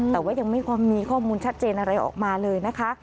แต่ว่ายังไม่พอมีข้อมูลชัดเจนอะไรออกมาเลยนะคะ